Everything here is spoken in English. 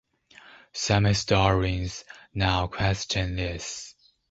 Some historians now question this.